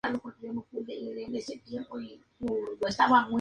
País de cultura aramea.